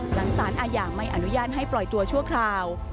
หลังสารอาญาไม่อนุญาตให้ปล่อยตัวชั่วคราว